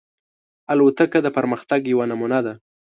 الوتکه د پرمختګ یوه نمونه ده.